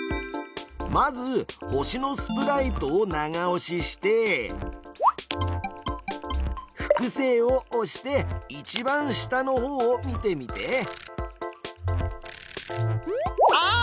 まず星のスプライトを長押しして「複製」を押して一番下の方を見てみて。